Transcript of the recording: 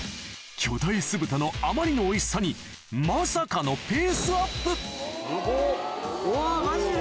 巨大酢豚のあまりのおいしさにまさかの・うわマジで？